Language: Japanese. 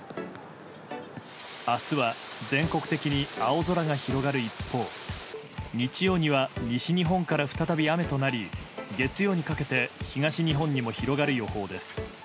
明日は全国的に青空が広がる一方日曜には西日本から再び雨となり月曜にかけて東日本にも広がる予報です。